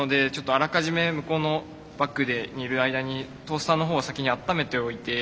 あらかじめ向こうのバックにいる間にトースターのほうを先にあっためておいて。